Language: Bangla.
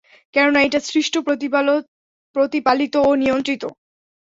কেননা, এটা সৃষ্ট, প্রতিপালিত ও নিয়ন্ত্রিত।